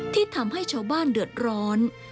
ที่ทำให้ชาวบ้านเดือดร้อน